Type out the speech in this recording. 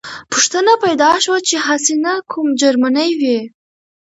پوښتنه پیدا شوه چې هسې نه کوم جرمنی وي